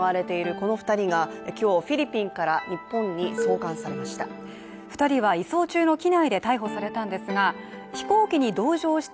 この２人が今日、フィリピンから日本に送還されました。